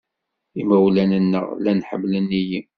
Imawlan-nneɣ llan ḥemmlen-iyi.